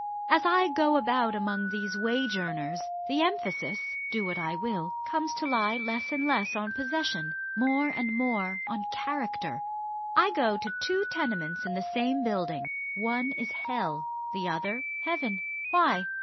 as I go about among these wage earners, the emphasis do what I will comes to lie less and less on possession more and more on character. I go to two tenements in the same building. One is Hell the other Heaven. Why?